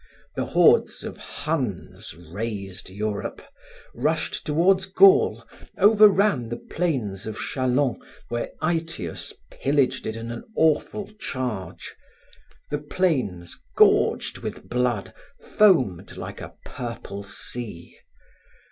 The hordes of Huns razed Europe, rushed toward Gaul, overran the plains of Chalons where Aetius pillaged it in an awful charge. The plains, gorged with blood, foamed like a purple sea.